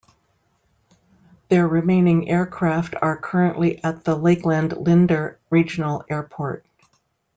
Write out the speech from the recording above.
Their remaining aircraft are currently at the Lakeland Linder Regional Airport.